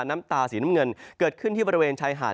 น้ำตาสีน้ำเงินเกิดขึ้นที่บริเวณชายหาด